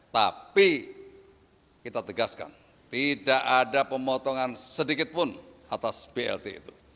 tapi kita tegaskan tidak ada pemotongan sedikit pun atas blt itu